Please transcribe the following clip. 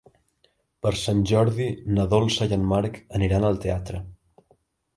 Per Sant Jordi na Dolça i en Marc aniran al teatre.